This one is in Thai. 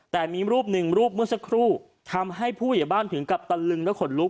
แต่มีรูปหนึ่งรูปเมื่อสักครู่ทำให้ผู้ใหญ่บ้านถึงกับตะลึงและขนลุก